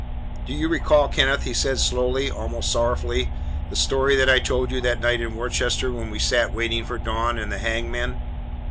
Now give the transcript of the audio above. "Do you recall, Kenneth," he said slowly, almost sorrowfully, "the story that I told you that night in Worcester, when we sat waiting for dawn and the hangman?"